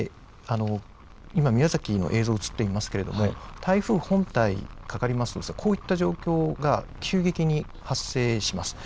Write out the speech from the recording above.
今、宮崎の映像、映っていますけれども、台風本体かかりますと、こういった状況が急激に発生します。